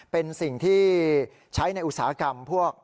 เป็นสิ่งที่ใช้ในอุตสาหกรรมพวก